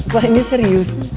wah ini serius